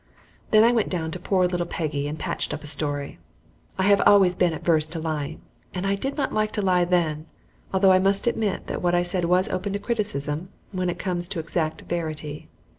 Then I went down to poor little Peggy and patched up a story. I have always been averse to lying, and I did not lie then, although I must admit that what I said was open to criticism when it comes to exact verity.